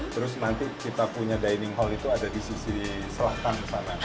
terus nanti kita punya dining hall itu ada di sisi selatan sana